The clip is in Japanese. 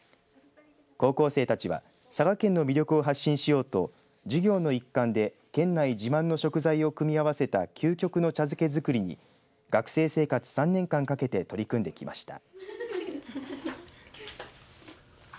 高校生たちは佐賀県の魅力を発信しようと授業の一環で県内自慢の食材を組み合わせた究極の茶漬け作りに学生生活３年間かけて取り組んできました。